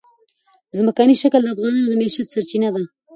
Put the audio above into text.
ځمکنی شکل د افغانانو د معیشت سرچینه ده.